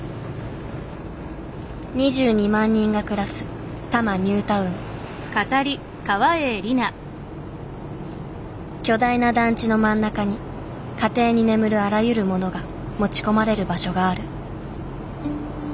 ２２万人が暮らす巨大な団地の真ん中に家庭に眠るあらゆる物が持ち込まれる場所がある。